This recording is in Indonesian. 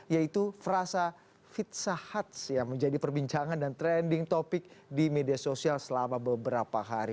yaitu frasa fitza huts yang menjadi perbincangan dan trending topic di media sosial selama beberapa hari